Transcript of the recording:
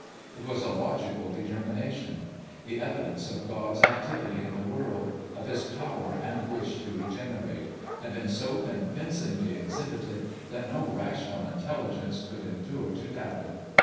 It was a logical determination. The evidence of God's activity in the world of His power and wish to regen erate had been so convincingly exhibited that no rational intelligence could endure to doubt it.